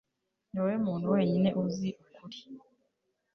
niwowe muntu wenyine uzi ukuri